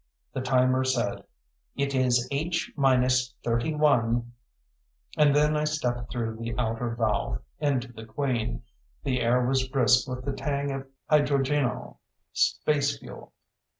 The timer said: "It is H minus thirty one." And then I stepped through the outer valve, into the Queen. The air was brisk with the tang of hydrogenol. Space fuel.